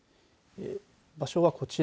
場所はこちら。